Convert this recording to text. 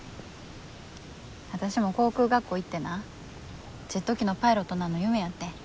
私も航空学校行ってなジェット機のパイロットなんの夢やってん。